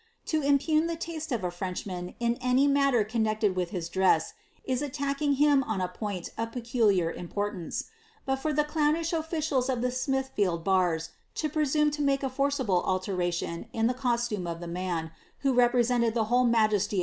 To impogn the taste of a Frenchman in any matter connected with his dress, is attacking him on a point of peculiar importance ; but for the downiah officials of Smithfield Bars to presume to make a forcible alte lation in the costume of the man, who represented the whole majesty ' Baeoo't Apothegms.